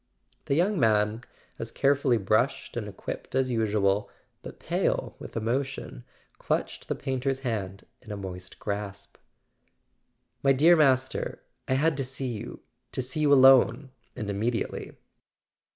The young man, as carefully brushed and equipped as usual, but pale with emotion, clutched the painter's hand in a moist grasp. "My dear Master, I had to see you—to see you alone and immediately."